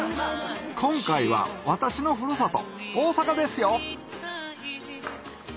今回は私のふるさと大阪ですよ！